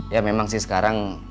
ya memang sih sekarang